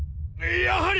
やはり。